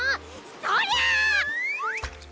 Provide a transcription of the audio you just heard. そりゃ！